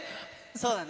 そうだね。